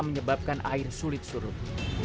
menyebabkan air sulit suruh